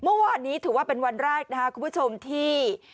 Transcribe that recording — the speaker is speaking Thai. เมื่อวานนี้ถือว่าเป็นวันแรกนะครับคุณผู้ชมที่